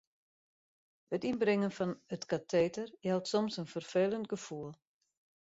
It ynbringen fan it kateter jout soms in ferfelend gefoel.